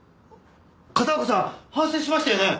片岡さん反省しましたよね？